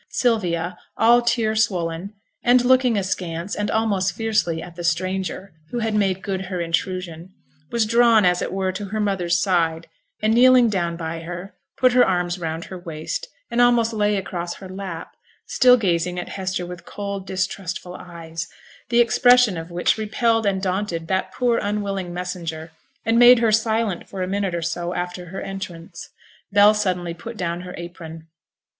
Sylvia, all tear swollen, and looking askance and almost fiercely at the stranger who had made good her intrusion, was drawn, as it were, to her mother's side, and, kneeling down by her, put her arms round her waist, and almost lay across her lap, still gazing at Hester with cold, distrustful eyes, the expression of which repelled and daunted that poor, unwilling messenger, and made her silent for a minute or so after her entrance. Bell suddenly put down her apron.